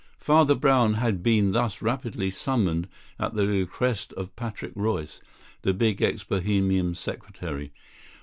Father Brown had been thus rapidly summoned at the request of Patrick Royce, the big ex Bohemian secretary.